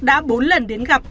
đã bốn lần đến gặp